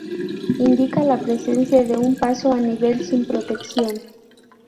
Indica la presencia de un paso a nivel sin protección.